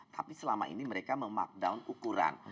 tapi selama ini mereka memakdown ukuran